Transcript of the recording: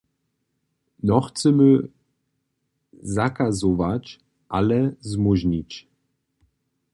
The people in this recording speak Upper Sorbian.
Nochcemy zakazować, ale zmóžnić.